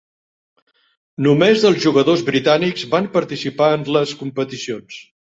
Només els jugadors britànics van participar en les competicions.